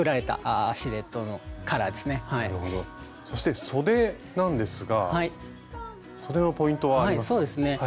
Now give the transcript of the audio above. そしてそでなんですがそでのポイントはありますか？